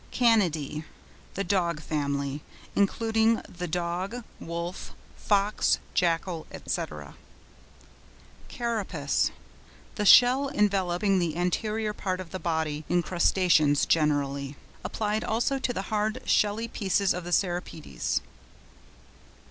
CANIDÆ.—The Dog family, including the Dog, Wolf, Fox, Jackal, &c. CARAPACE.—The shell enveloping the anterior part of the body in Crustaceans generally; applied also to the hard shelly pieces of the Cirripedes.